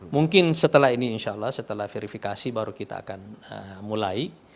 mungkin setelah ini insya allah setelah verifikasi baru kita akan mulai